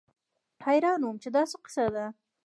حيران وم چې دا څه کيسه ده.